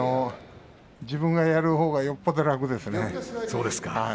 自分がやるほうがよっぽど楽ですね。